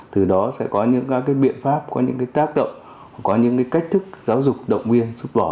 từ đó sẽ có những biện pháp có những tác động có những cách thức giáo dục động viên